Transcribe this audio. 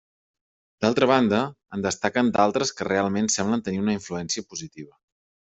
D'altra banda, en destaquen d'altres que realment semblen tenir una influència positiva.